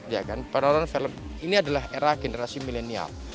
ini adalah era generasi milenial